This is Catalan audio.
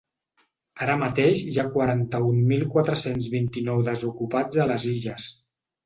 Ara mateix hi ha quaranta-un mil quatre-cents vint-i-nou desocupats a les Illes.